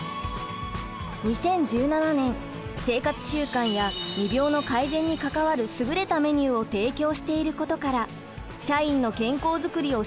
２０１７年生活習慣や未病の改善に関わる優れたメニューを提供していることから社員の健康づくりを支援する